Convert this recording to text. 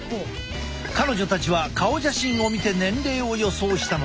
彼女たちは顔写真を見て年齢を予想したのだ。